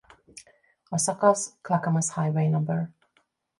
A szakasz Clackamas Highway No.